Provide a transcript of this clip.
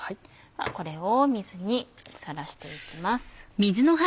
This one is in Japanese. これを水にさらしていきます。